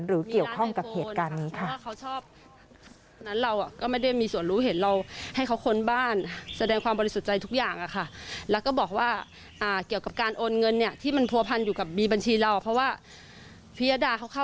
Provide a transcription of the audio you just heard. หรือเกี่ยวข้องกับเหตุการณ์นี้ค่ะ